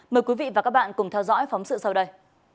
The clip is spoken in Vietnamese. mời quý vị và các bạn cùng theo dõi phóng sự sau đây